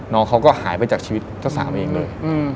น้องเขาก็หายไปจากชีวิตเจ้าสาวเองเลย